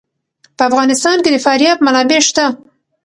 په افغانستان کې د فاریاب منابع شته.